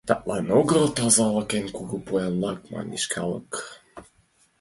Таклан огыл «Тазалык — эн кугу поянлык» манеш калык.